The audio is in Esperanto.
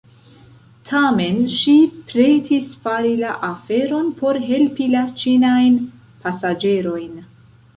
Tamen ŝi pretis fari la aferon por helpi la ĉinajn pasaĝerojn.